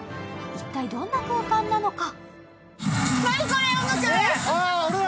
一体どんな空間なのか？